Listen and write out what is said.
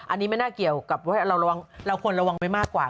อันนี้ไม่น่าเกี่ยวกับเราควรระวังไว้มากกว่า